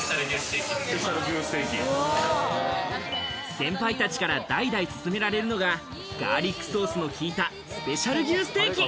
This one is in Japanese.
先輩たちから代々すすめられるのが、ガーリックソースの効いたスペシャル牛ステーキ。